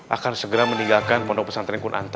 akan segera meninggalkan pondok pesantren kun antah